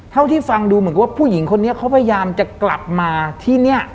เท่าที่ฟังดูเหมือนกับว่าผู้หญิงคนนี้เขาพยายามจะกลับมาที่เนี่ย